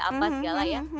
apa segala ya